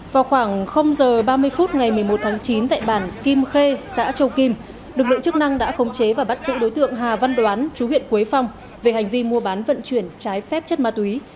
vào khoảng h ba mươi phút ngày một mươi một tháng chín tại bản kim khê xã châu kim lực lượng chức năng đã khống chế và bắt giữ đối tượng hà văn đoán chú huyện quế phong về hành vi mua bán vận chuyển trái phép chất ma túy